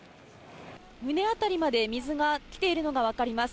胸辺りまで水が来ているのが分かります。